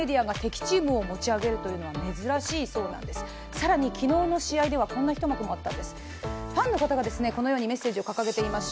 更に昨日の試合ではこんな一幕もあったんです。